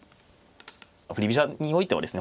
振り飛車においてはですね